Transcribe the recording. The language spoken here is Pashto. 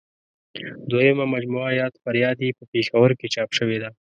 دویمه مجموعه یاد فریاد یې په پېښور کې چاپ شوې ده.